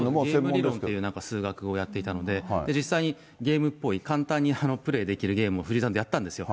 ゲーム理論っていう数学をやっていたので、実際にゲームっぽい、簡単にプレーできるゲームを、藤井さんとやったんですよ。